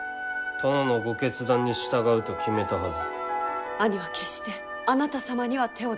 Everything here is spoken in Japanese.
殿のご決断に従うと決めたはず。